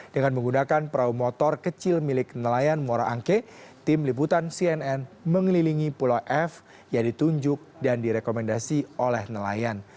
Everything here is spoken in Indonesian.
dengan menggunakan perahu motor kecil milik nelayan muara angke tim liputan cnn mengelilingi pulau f yang ditunjuk dan direkomendasi oleh nelayan